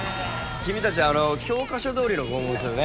君たちあの教科書どおりの拷問するね。